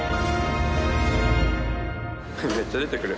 めっちゃ出てくる。